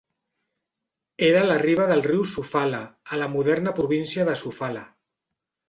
Era a la riba del riu Sofala, a la moderna província de Sofala.